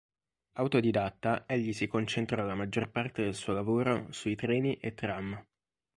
Autodidatta, egli si concentrò la maggior parte del suo lavoro sui treni e tram.